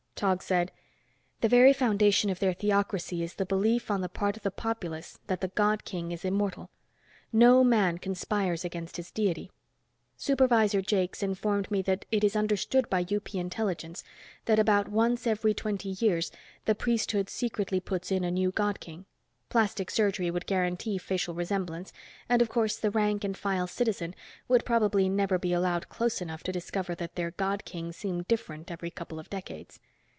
Tog said, "The very foundation of their theocracy is the belief on the part of the populace that the God King is immortal. No man conspires against his Deity. Supervisor Jakes informed me that it is understood by UP Intelligence, that about once every twenty years the priesthood secretly puts in a new God King. Plastic surgery would guarantee facial resemblance, and, of course, the rank and file citizen would probably never be allowed close enough to discover that their God King seemed different every couple of decades.